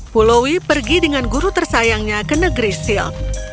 pulowi pergi dengan guru tersayangnya ke negeri sil